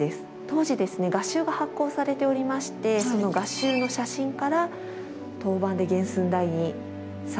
当時ですね画集が発行されておりましてその画集の写真から陶板で原寸大に再現しています。